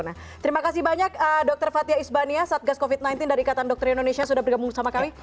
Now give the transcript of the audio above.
nah terima kasih banyak dokter fathia isbania satgas covid sembilan belas dari ikatan dokter indonesia sudah bergabung bersama kami